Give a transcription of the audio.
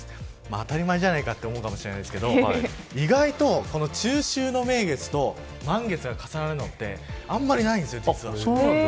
当たり前じゃないかと思うかもしれませんが意外と、中秋の名月と満月が重なるのってあまりないんです。